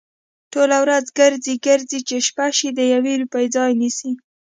ټوله ورځ گرځي، گرځي؛ چې شپه شي د يوې روپۍ ځای نيسي؟